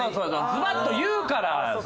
ズバッと言うから傷つく。